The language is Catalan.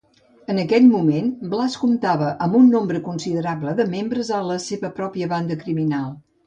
En aquell moment, Blass comptava amb un nombre considerable de membres a la seva pròpia banda criminal.